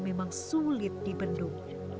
memang sulit dibendung